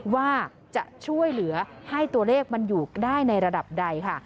ว่าจะช่วยเหลือให้ตัวเลขมันอยู่ได้ในระดับใดค่ะ